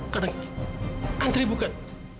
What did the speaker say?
karena andre bukan